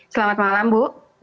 selamat malam bu